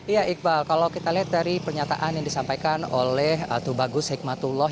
ya iqbal kalau kita lihat dari pernyataan yang disampaikan oleh tubagus hikmatullah